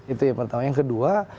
itu yang pertama yang kedua